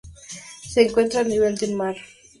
Se encuentra a nivel del mar.